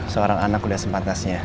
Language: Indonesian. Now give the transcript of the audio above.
seorang anak udah sepatasnya